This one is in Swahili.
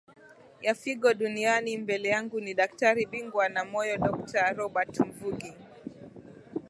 ya figo duniani mbele yangu ni daktari bingwa wa moyo dokta robert mvungi